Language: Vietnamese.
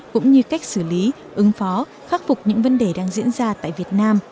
cũng như cách xử lý ứng phó khắc phục những vấn đề đang diễn ra tại việt nam